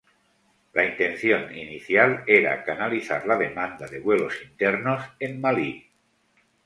La intención inicial era canalizar la demanda de vuelos internos en Malí.